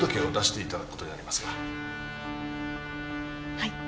はい。